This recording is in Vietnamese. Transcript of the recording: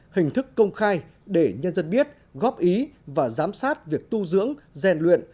hình thức công khai để nhân dân biết góp ý và giám sát việc tu dưỡng rèn luyện